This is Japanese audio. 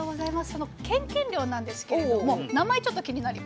そのケンケン漁なんですけれども名前ちょっと気になりますよね。